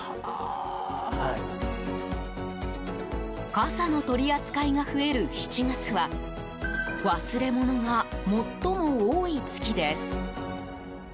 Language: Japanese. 傘の取り扱いが増える７月は忘れ物が最も多い月です。